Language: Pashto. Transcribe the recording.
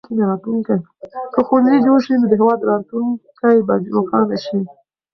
که ښوونځي جوړ شي نو د هېواد راتلونکی به روښانه شي.